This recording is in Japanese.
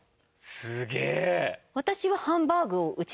すげえ！